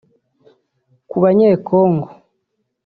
Ku Banyekongo